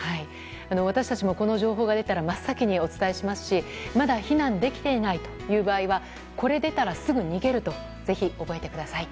私たちもこの情報が出たら真っ先にお伝えしますしまだ避難できていない場合はこれ出たらすぐ逃げるとぜひ覚えてください。